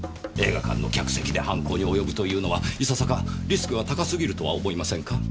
映画館の客席で犯行に及ぶというのはいささかリスクが高すぎるとは思いませんか？